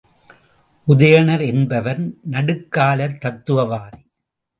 உதயணர் என்பவர் நடுக்கால தத்துவவாதி.